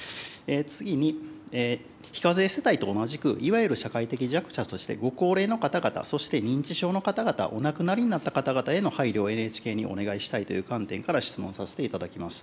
次に、非課税世帯と同じく、いわゆる社会的弱者として、ご高齢の方々、そして認知症の方々、お亡くなりになった方々への配慮をＮＨＫにお願いしたいという観点から質問させていただきます。